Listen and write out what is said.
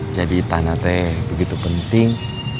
jadi tanah teh begitu penting